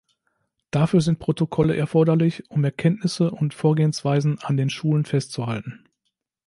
Dafür sind Protokolle erforderlich, um Erkenntnisse und Vorgehensweisen an den Schulen festzuhalten.